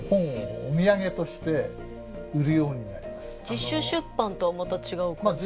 自主出版とはまた違う感じなんですか？